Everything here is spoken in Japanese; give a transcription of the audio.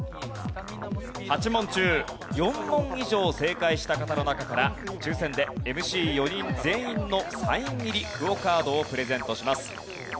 ８問中４問以上正解した方の中から抽選でＭＣ４人全員のサイン入りＱＵＯカードをプレゼントします。